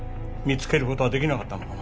見つける事が出来なかったのか！